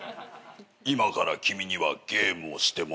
今から君にはゲームをしてもらう。